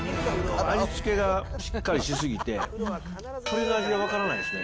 味付けがしっかりしすぎて、鶏の味が分からないですね。